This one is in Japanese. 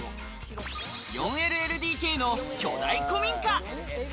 ４ＬＬＤＫの巨大古民家。